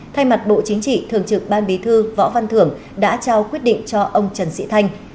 thay mặt bộ chính trị thường trực ban bí thư võ văn thưởng đã trao quyết định cho ông trần sĩ thanh